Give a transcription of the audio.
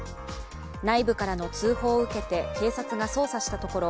内部からの通報を受けて警察が捜査したところ